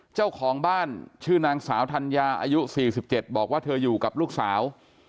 เจ้าของบ้านชื่อนางสาวธัญญาอายุ๔๗บอกว่าเธออยู่กับลูกสาว